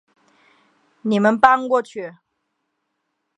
你们搬过去